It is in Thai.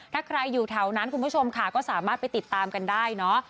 ถ้าใครอยู่แถวนั้นคุณผู้ชมค่ะก็สามารถไปติดตามกันได้เนอะ